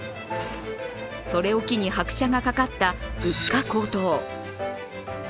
それを機に拍車がかかった物価高騰。